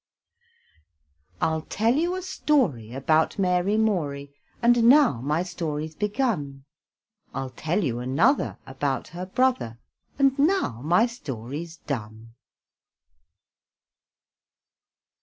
I'll tell you a story About Mary Morey, And now my story's begun, I'll tell you another About her brother, And now my story's done.